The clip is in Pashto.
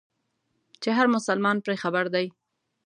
چې هر مسلمان پرې خبر دی.